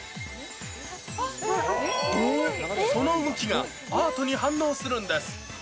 その動きがアートに反応するんです。